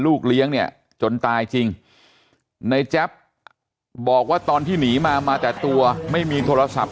เลี้ยงเนี่ยจนตายจริงในแจ๊บบอกว่าตอนที่หนีมามาแต่ตัวไม่มีโทรศัพท์